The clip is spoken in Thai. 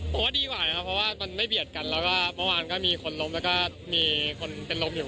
ก็ดีกว่าไงครับเพราะว่ามันไม่เบียดกันแล้ววันก็มีคนล้มและก็มีคนเป็นล้มอยู่